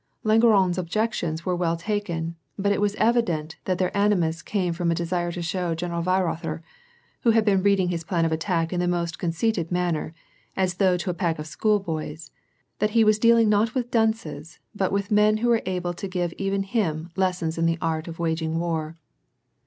Langeron's objections were well taken, but it was evident that their animus came from a desire to show General Weiro ther, who had been reading his plan of attack in the most con ceited manner, as though to a pack of schoolboys, that he was dealing not with dunces but with men who were able to give even him lessons in the art of waging war.